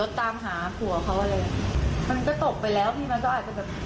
พูดไม่ได้นะ